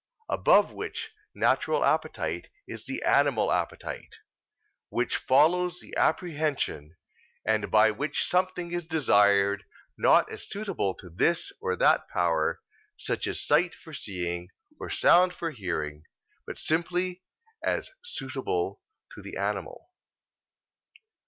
Above which natural appetite is the animal appetite, which follows the apprehension, and by which something is desired not as suitable to this or that power, such as sight for seeing, or sound for hearing; but simply as suitable to the animal.